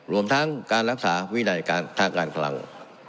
รวมทั้งการรักษาวินัยการทางการคลัง